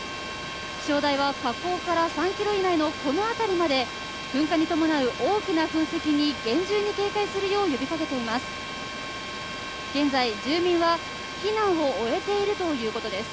気象台は火口から３ｋｍ以内のこの辺りまで噴火に伴う大きな噴石に厳重に警戒するよう呼びかけています。